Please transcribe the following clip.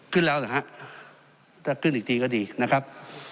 ขึ้นแล้วเหรอฮะถ้าขึ้นอีกทีก็ดีนะครับ